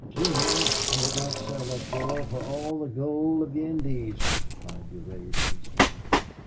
"Senor, I would not sell that girl for all the gold of the Indies," replied Durade, instantly.